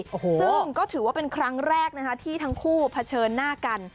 ซึ่งก็ถือว่าเป็นครั้งแรกนะคะที่ทั้งคู่เผชิญหน้ากัน